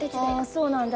あそうなんだ。